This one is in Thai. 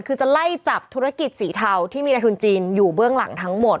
คือจะไล่จับธุรกิจสีเทาที่มีในทุนจีนอยู่เบื้องหลังทั้งหมด